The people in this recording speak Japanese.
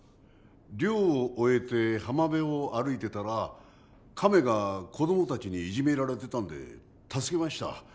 漁を終えて浜辺を歩いていたらカメが子どもたちにいじめられてたんで助けました。